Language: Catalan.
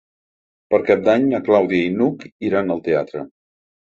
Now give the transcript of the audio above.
Per Cap d'Any na Clàudia i n'Hug iran al teatre.